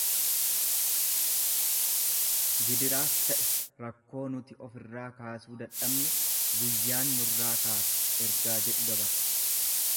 Gidiraas ta'e rakkoo nuti ofirraa kaasuu dadhabne guyyaan nurraa kaasa ergaa jedhu dabarsa.